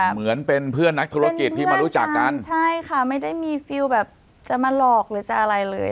เหมือนเป็นเพื่อนนักธุรกิจที่มารู้จักกันใช่ค่ะไม่ได้มีฟิลแบบจะมาหลอกหรือจะอะไรเลย